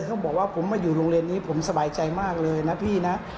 เขาบอกว่าผมมาอยู่โรงเรียนนี้ผมสบายใจมากเลยนะพี่นะ